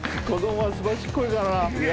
子どもはすばしっこいからな。